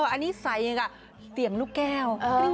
อันนี้ใส่อย่างกับเสียงลูกแก้ว